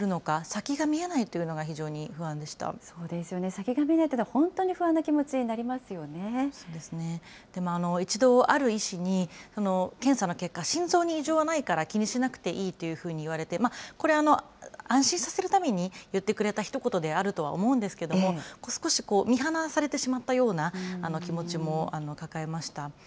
先が見えないというのは、本当に不安な気持ちそうですね、でも一度、ある医師に、検査の結果、心臓に異常はないから気にしなくていいというふうに言われて、これ、安心させるために言ってくれたひと言であるとは思うんですけれども、少し見放されてしまったような気持ちも抱えました。